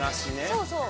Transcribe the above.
そうそう。